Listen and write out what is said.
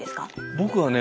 僕はね